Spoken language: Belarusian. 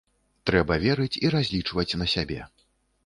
Трэба верыць і разлічваць на сябе.